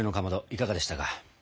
いかがでしたか？